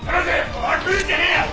おい来るんじゃねえよ！